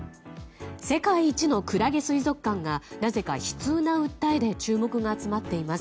世界一のクラゲ水族館がなぜか悲痛な訴えで注目が集まっています。